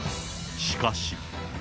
しかし。